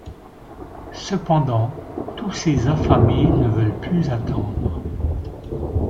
Cependant, tous ces affamés ne veulent plus attendre.